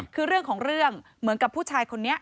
คือเรื่องของเรื่องเหมือนกับผู้ชายคนนี้